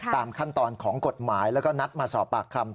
ตามขั้นตอนของกฎหมายแล้วก็นัดมาสอบปากคำ